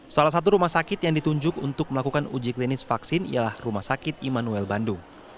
salah satu rumah sakit yang ditunjuk untuk melakukan uji klinis vaksin ialah rumah sakit immanuel bandung